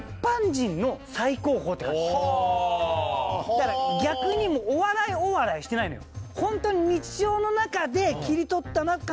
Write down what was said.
だから逆にお笑いお笑いしてないのよ。